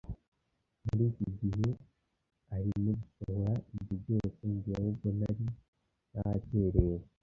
muri icyo gihe arimo gusohora ibyo byose njyewe ubwo nari nacyerewe